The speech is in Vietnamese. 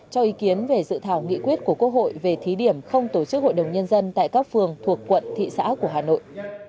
cho ý kiến về dự thảo nghị quyết của quốc hội về thí điểm không tổ chức hội đồng nhân dân tại các phường thuộc quận thị xã của hà nội